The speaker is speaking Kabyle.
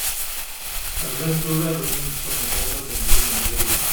rrant urar mi neṭṭlent "azalen d yimenzayen"